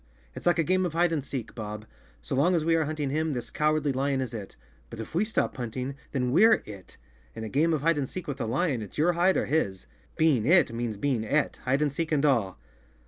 It's like a game of hide and seek, Bob. So long as we are hunting him, this Cowardly Lion is it. But if we stop hunting, then we're it. In a game of hide and seek with a lion, it's your hide or his. Being it, means being et, hide and seek and all!"